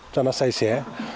cho nó say xé